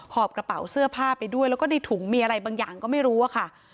อบกระเป๋าเสื้อผ้าไปด้วยแล้วก็ในถุงมีอะไรบางอย่างก็ไม่รู้อะค่ะ